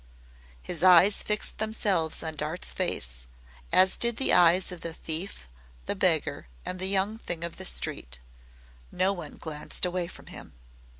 His eyes fixed themselves on Dart's face, as did the eyes of the thief, the beggar, and the young thing of the street. No one glanced away from him.